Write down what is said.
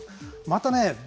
またね